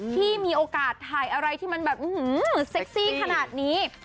ที่มีโอกาสถ่ายอะไรที่มันแบบเซ็กซี่ขนาดนี้